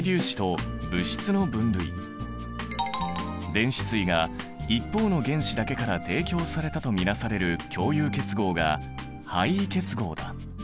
電子対が一方の原子だけから提供されたと見なされる共有結合が配位結合だ。